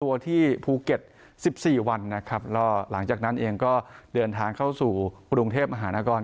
ตัวที่ภูเก็ต๑๔วันนะครับแล้วหลังจากนั้นเองก็เดินทางเข้าสู่กรุงเทพมหานคร